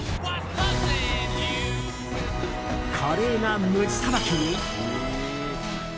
華麗なムチさばきに。